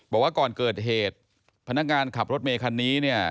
บอกว่าก่อนเกิดเหตุพนักงานขับรถเมย์คันนี้เนี่ย